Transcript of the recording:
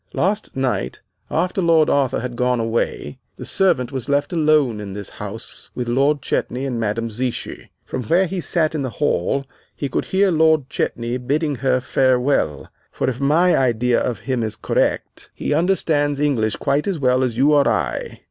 Last night, after Lord Arthur had gone away, the servant was left alone in this house with Lord Chetney and Madame Zichy. From where he sat in the hall he could hear Lord Chetney bidding her farewell; for, if my idea of him is correct, he understands English quite as well as you or I.